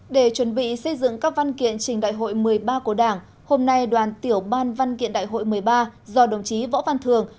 để chuẩn bị xây dựng các văn kiện trình đại hội một mươi ba của đảng hôm nay đoàn tiểu ban văn kiện đại hội một mươi ba do đồng chí võ văn thường